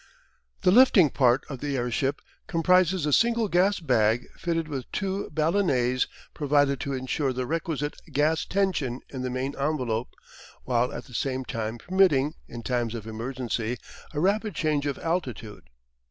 The lifting part of the airship comprises a single gas bag fitted with two ballonets provided to ensure the requisite gas tension in the main envelope, while at the same time permitting, in times of emergency, a rapid change of altitude.